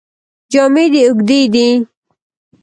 جامې دې اوږدې دي.